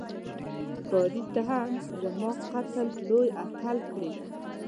ښکاري ته هم زما قتل لوی اتل کړې